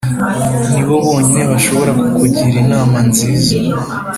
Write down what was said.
Ni bo bonyine bashobora kukugira inama nziza